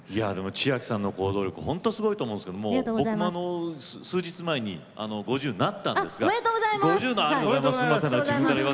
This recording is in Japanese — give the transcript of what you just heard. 千秋さんの行動力すごいと思うんですけど僕も数日前に５０になったんですが。